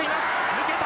抜けた！